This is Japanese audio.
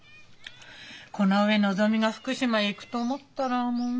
この上のぞみが福島へ行くと思ったらもう。